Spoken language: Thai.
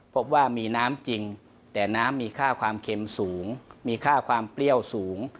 พบว่ามีน้ำจริงแต่น้ำมีค่าความเค็มสูงมีค่าความเปรี้ยวสูง